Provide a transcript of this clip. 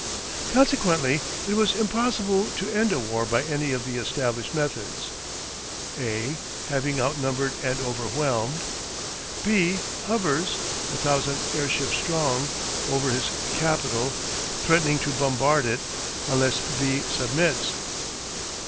Consequently it was impossible to end a war by any of the established methods. A, having outnumbered and overwhelmed B, hovers, a thousand airships strong, over his capital, threatening to bombard it unless B submits.